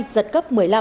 giật cấp một mươi năm